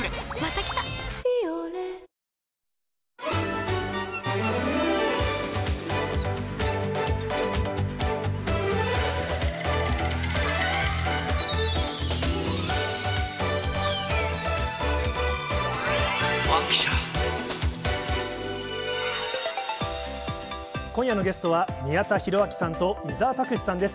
「ビオレ」今夜のゲストは宮田裕章さんと伊沢拓司さんです。